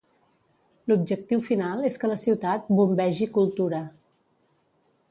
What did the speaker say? L'objectiu final és que la ciutat "bombegi" cultura.